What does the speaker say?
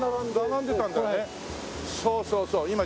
そうそうそう。